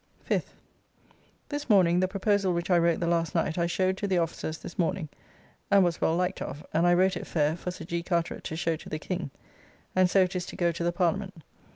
5th. This morning the Proposal which I wrote the last night I showed to the officers this morning, and was well liked of, and I wrote it fair for Sir. G. Carteret to show to the King, and so it is to go to the Parliament.